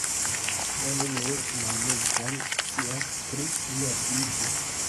Oni nur malmultan scias pri lia vivo.